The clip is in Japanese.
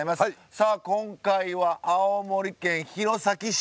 さあ今回は青森県弘前市。